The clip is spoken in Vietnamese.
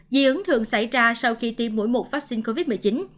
dị ứng thường xảy ra sau khi tiêm mũi một vaccine covid một mươi chín